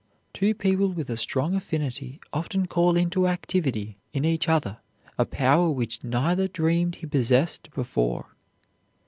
Two people with a strong affinity often call into activity in each other a power which neither dreamed he possessed before.